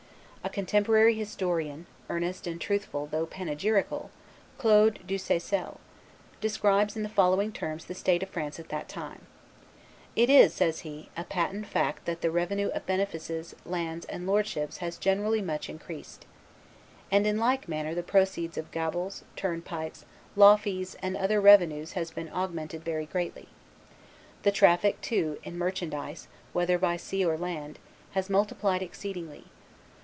A contemporary historian, earnest and truthful though panegyrical, Claude do Seyssel, describes in the following terms the state of France at that time: "It is," says he, "a patent fact that the revenue of benefices, lands, and lordships has generally much increased. And in like manner the proceeds of gabels, turnpikes, law fees and other revenues have been augmented very greatly. The traffic, too, in merchandise, whether by sea or land, has multiplied exceedingly.